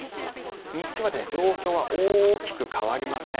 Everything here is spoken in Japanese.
日中は状況は大きく変わりません。